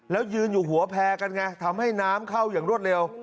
แล้วยืนอยู่หัวแพร่กันไงทำให้น้ำเข้าอย่างรวดเร็ว